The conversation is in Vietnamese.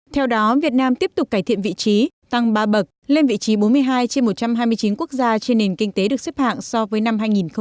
theo đó việt nam tiếp tục cải thiện vị trí tăng ba bậc lên vị trí bốn mươi hai trên một trăm hai mươi chín quốc gia trên nền kinh tế được xếp hạng so với năm hai nghìn một mươi